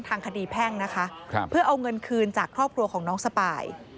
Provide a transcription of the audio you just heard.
ทางคดีแพ่งนะคะเพื่อเอาเงินคืนจากครอบครัวของน้องสปาย